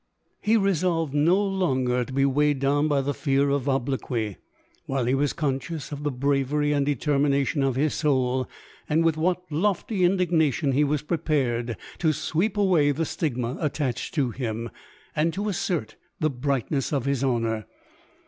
He re solved no longer to be weighed down by the fear of obloquy, while he was conscious of the brawn and determination of his soul, and with what lofty indignation he was prepared to sweep away the stigma attached to him, and to assert the brightness of his honour.